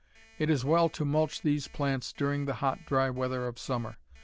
It is well to mulch these plants during the hot, dry weather of summer.